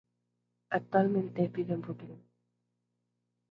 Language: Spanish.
Actualmente vive en Brooklyn.